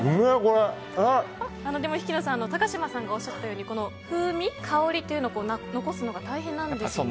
ヒキノさん高嶋さんがおっしゃったように風味、香りというのは残すのが大変なんですよね。